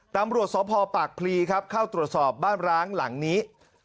ตำรวจสพปากพลีครับเข้าตรวจสอบบ้านร้างหลังนี้